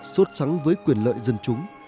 xuất sẵn với quyền lợi dân chúng